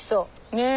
ねえ。